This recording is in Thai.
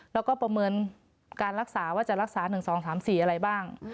แล้วก็ประเมินการรักษาว่าจะรักษา๑๒๓๔อะไรบ้าง